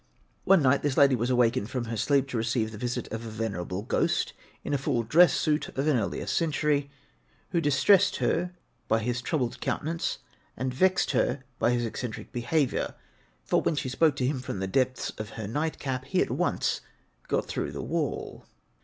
One night this lady was awakened from her sleep to receive the visit of a venerable ghost in a full dress suit of an earlier century, who distressed her by his troubled countenance and vexed her by his eccentric behaviour, for when she spoke to him from the depths of her nightcap he at once got through the wall.